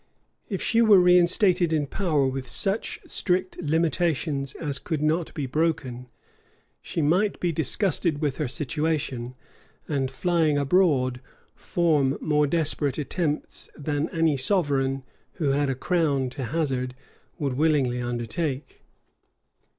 If she were reinstated in power with such strict limitations as could not be broken, she might be disgusted with her situation; and flying abroad, form more desperate attempts than any sovereign, who had a crown to hazard, would willingly undertake.